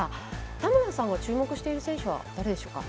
田村さんが注目している選手は誰でしょうか？